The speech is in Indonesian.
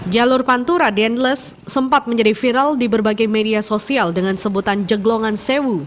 jalur pantura denles sempat menjadi viral di berbagai media sosial dengan sebutan jeglongan sewu